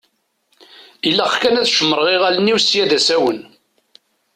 Ilaq kan ad cemṛeɣ iɣallen-iw sya d asawen.